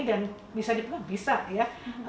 dan bisa dipeluk bisa ya